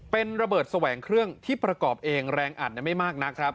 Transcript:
เป็นระเบิดแสวงเครื่องที่ประกอบเองแรงอัดไม่มากนักครับ